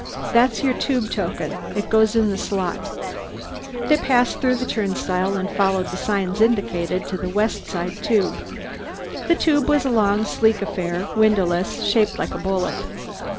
"That's your tube token. It goes in the slot." They passed through the turnstile and followed signs indicating the West Side Tube. The tube was a long sleek affair, windowless, shaped like a bullet.